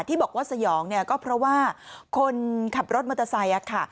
ที่บอกว่าสยองเนี่ยก็เพราะว่าคนขับรถมอเตอร์ไซค์